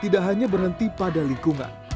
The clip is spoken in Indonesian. tidak hanya berhenti pada lingkungan